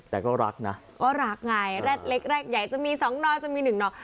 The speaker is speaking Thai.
แต่ก็รักนะก็รักไงแร็ดเล็กแรกใหญ่จะมีสองนอจะมีหนึ่งนอ